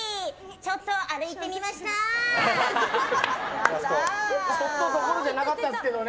ちょっとどころじゃなかったですけどね。